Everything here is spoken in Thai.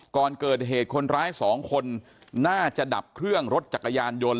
ก่อนเกิดเหตุคนร้ายสองคนน่าจะดับเครื่องรถจักรยานยนต์